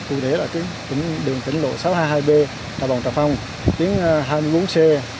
thực tế là đường tỉnh lộ sáu trăm hai mươi hai b trà bồng trà phong tuyến hai mươi bốn c